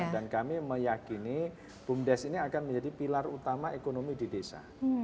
dan kami meyakini bum desa ini akan menjadi pilar utama ekonomi di desa